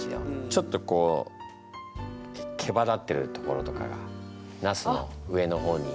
ちょっとこうけばだってるところとかがなすの上の方に。